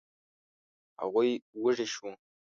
هغوی وږي شوو.